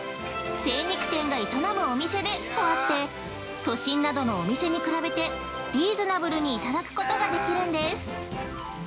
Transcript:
「精肉店が営むお店で」とあって都心などのお店に比べてリーズナブルにいただくことができるんです。